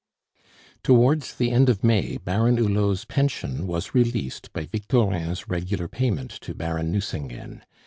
Towards the end of May, Baron Hulot's pension was released by Victorin's regular payment to Baron Nucingen.